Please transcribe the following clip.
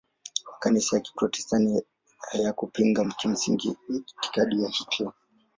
Makanisa ya Kiprotestanti hayakupinga kimsingi itikadi ya Hitler.